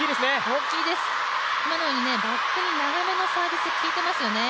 大きいです、今のように、バックに長めのサービス、効いていますよね。